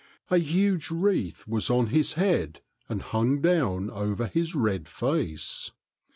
A huge wreath was on his head and hung down over his red face.